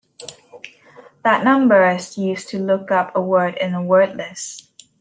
That number is then used to look up a word in a word list.